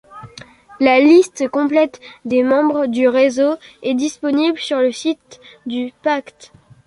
La liste complète des membres du réseau est disponible sur le site du Pacte.